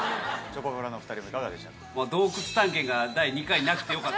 チョコプラのお２人もいかがでしたか？